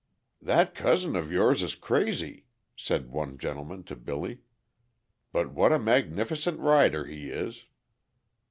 "That cousin of yours is crazy," said one gentleman to Billy; "but what a magnificent rider he is."